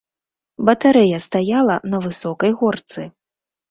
Батарэя стаяла на высокай горцы.